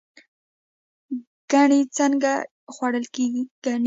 ګنی څنګه خوړل کیږي؟